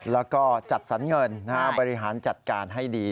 แล้วก็จัดสรรเงินบริหารจัดการให้ดี